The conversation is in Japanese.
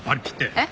えっ？